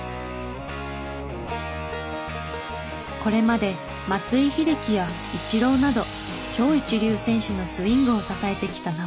これまで松井秀喜やイチローなど超一流選手のスイングを支えてきた名和さん。